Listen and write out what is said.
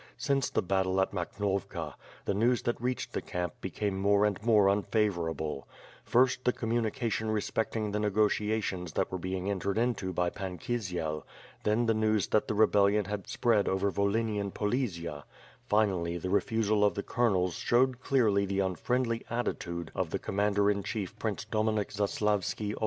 Since the battle at Makhnovka, the news that reached the camp became more and more unfavor able; first, the communication respecting the negotiations that were being entered into by Pan Kisiel, then the news that the rebellion had spread over Volhynian Polesia — finally the refusal of the colonels showed clearly the unfriendly attitude of the Commander in chief Prince Dominik Zaslavski Os 36s WITH FIRE AND SWORD.